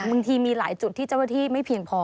บางทีมีหลายจุดที่เจ้าหน้าที่ไม่เพียงพอ